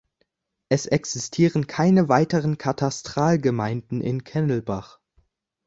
Es existieren keine weiteren Katastralgemeinden in Kennelbach.